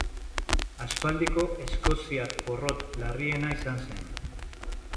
Aspaldiko eskoziar porrot larriena izan zen.